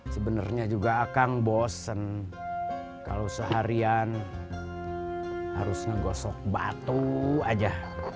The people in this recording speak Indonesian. sebenarnya juga akang bosen kalau seharian harus ngegosok batu aja